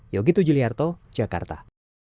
yogi tujuliarto jakarta